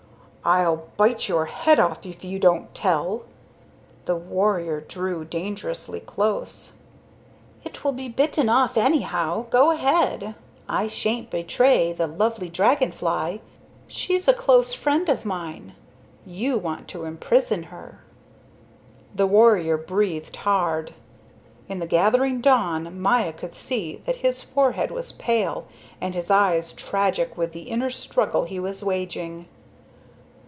"I'll bite your head off if you don't tell." The warrior drew dangerously close. "It will be bitten off anyhow. Go ahead. I shan't betray the lovely dragon fly. She's a close friend of mine.... You want to imprison her." The warrior breathed hard. In the gathering dawn Maya could see that his forehead was pale and his eyes tragic with the inner struggle he was waging.